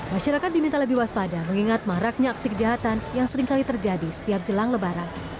masyarakat diminta lebih waspada mengingat maraknya aksi kejahatan yang seringkali terjadi setiap jelang lebaran